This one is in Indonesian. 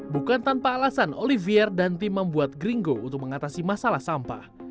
bukan tanpa alasan olivier dan tim membuat gringo untuk mengatasi masalah sampah